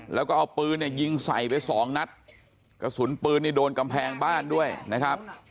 แล้วก็เอาปืนเนี่ยยิงใส่ไปสองนัดกระสุนปืนนี่โดนกำแพงบ้านด้วยนะครับ